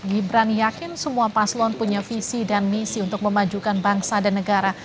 gibran yakin semua paslon punya visi dan misi untuk memajukan bangsa dan negara